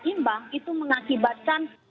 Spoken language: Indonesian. imbang itu mengakibatkan